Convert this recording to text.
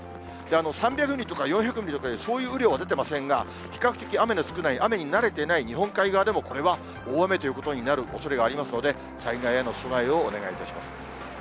３００ミリとか４００ミリとかというそういう雨量は出てませんが、比較的雨の少ない、雨に慣れていない日本海側でも、大雨ということになるおそれがありますので、災害への備えをお願いいたします。